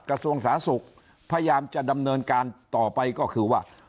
กระทรวงสาธารณสุขพยายามจะดำเนินการต่อไปก็คือว่า